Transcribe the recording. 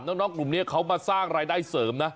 น้องกลุ่มนี้เขามาสร้างรายได้เสริมนะ